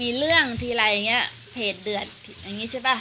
มีเรื่องทีไรอย่างเงี้ยเพจเดือดอย่างนี้ใช่ป่ะ